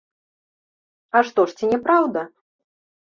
А што ж, ці не праўда?